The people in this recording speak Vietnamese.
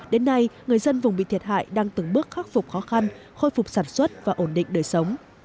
đến nay người dân vùng bị thiệt hại đang từng bước khắc phục khó khăn khôi phục sản xuất và ổn định đời sống